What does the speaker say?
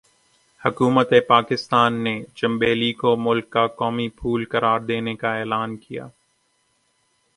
حکومتِ پاکستان نے 'چنبیلی' کو ملک کا قومی پھول قرار دینے کا اعلان کیا۔